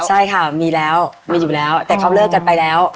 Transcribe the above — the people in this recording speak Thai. ใช่ค่ะมีแล้วมีอยู่แล้วแต่เขาเลิกกันไปแล้ว